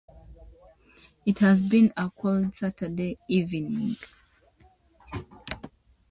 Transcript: Parker Brothers also acquired Sorry!